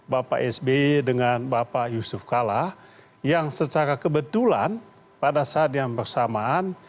bapak sby dengan bapak yusuf kala yang secara kebetulan pada saat yang bersamaan